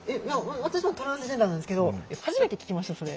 私もトランスジェンダーなんですけど初めて聞きましたそれ。